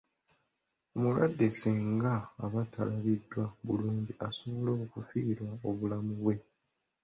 Omulwadde singa aba talabiriddwa bulungi asobola okufiirwa obulamu bwe.